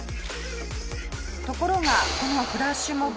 ところがこのフラッシュモブが